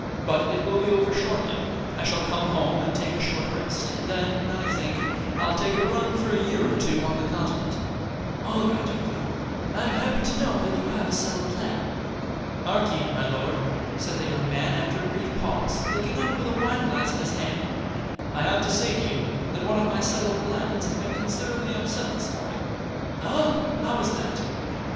But it will be over shortly. I shall come home and take a short rest, and then, I think, I'll take a run for a year or two on the continent." "All right, Oakleigh. I am happy to know that you have a settled plan." "Hark ye, my lord," said the young man, after a brief pause, looking up with a wine glass in his hand, "I have to say to you, that one of my settled plans has been considerably upset this morning." "Ah, how is that?"